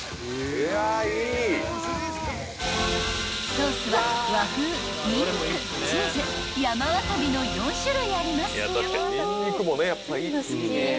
［ソースは和風にんにくチーズ山わさびの４種類あります］